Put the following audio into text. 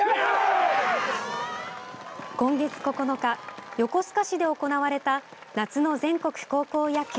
今月９日横須賀市で行われた夏の全国高校野球